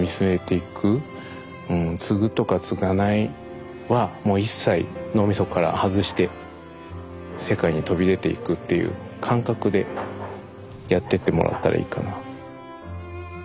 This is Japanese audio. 継ぐとか継がないはもう一切脳みそから外して世界に飛び出ていくっていう感覚でやってってもらったらいいかな。